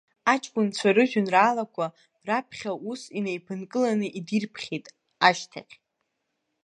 Аҷкәынцәа ражәеинраалақәа, раԥхьа ус инеиԥынкыланы идирԥхьеит, ашьҭахь.